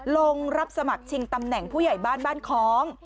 ลงรับสมัครชิงตำแหน่งผู้ใหญ่บ้านบ้านคล้อง